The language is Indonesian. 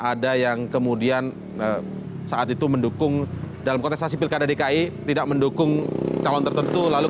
ada yang kemudian saat itu mendukung dalam kontestasi pilkada dki tidak mendukung calon tertentu lalu